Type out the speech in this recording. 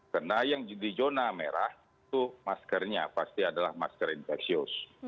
karena yang di zona merah itu maskernya pasti adalah masker infeksius